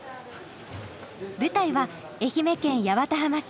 舞台は愛媛県八幡浜市。